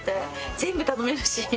全部頼めるし。